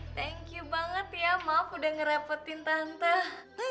thank you banget ya maaf udah ngerepotin tante